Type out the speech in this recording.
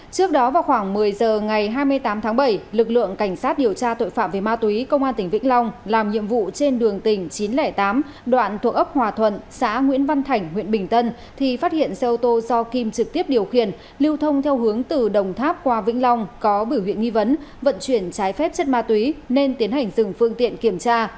trước đó vào khoảng một mươi giờ ngày hai mươi tám tháng bảy lực lượng cảnh sát điều tra tội phạm về ma túy công an tỉnh vĩnh long làm nhiệm vụ trên đường tỉnh chín trăm linh tám đoạn thuộc ấp hòa thuận xã nguyễn văn thành huyện bình tân thì phát hiện xe ô tô do kim trực tiếp điều khiển lưu thông theo hướng từ đồng tháp qua vĩnh long có bửu huyện nghi vấn vận chuyển trái phép chất ma túy nên tiến hành dừng phương tiện kiểm tra